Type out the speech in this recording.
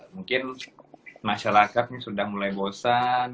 mungkin masyarakatnya sudah mulai bosan